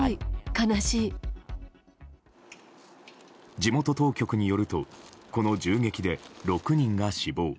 地元当局によるとこの銃撃で６人が死亡。